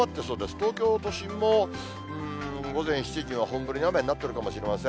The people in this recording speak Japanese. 東京都心も、午前７時には本降りの雨になっているかもしれません。